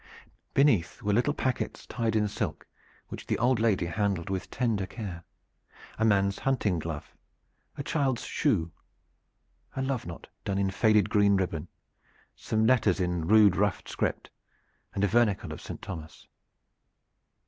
Beneath were little packets tied in silk which the old lady handled with tender care: a man's hunting glove, a child's shoe, a love knot done in faded green ribbon, some letters in rude rough script, and a vernicle of Saint Thomas.